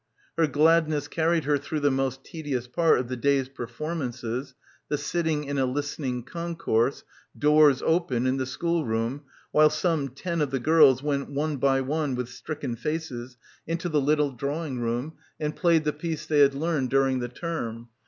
Her gladness carried her through the most tedious part of the day's performances, the sitting in a listening concourse, doors open, in the school room, while some ten of the girls went one by one with stricken faces into the little drawing room and played the piece they had learned during the term.